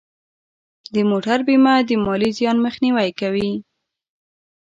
د موټر بیمه د مالی زیان مخنیوی کوي.